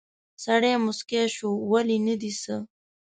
سړی موسکی شو: ولې، نه دي څه؟